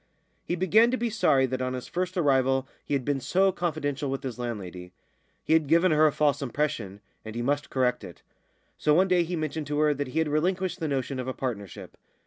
He began to be sorry that on his first arrival he had been so confidential with his landlady; he had given her a false impression, and he must correct it. So one day he mentioned to her that he had relinquished the notion of a partnership.